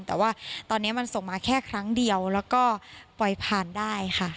แต่ว่าตอนนี้มันส่งมาแค่ครั้งเดียวแล้วก็ปล่อยผ่านได้ค่ะ